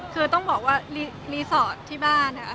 คือต้องบอกว่ารีสอร์ทที่บ้านนะคะ